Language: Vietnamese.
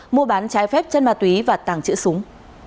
mua bán trái phép chân ma túy và tàng trữ súng